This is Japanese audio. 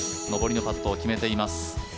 上りのパットを決めています。